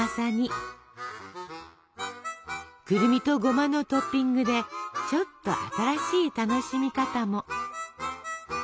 くるみとゴマのトッピングでちょっと新しい楽しみ方も。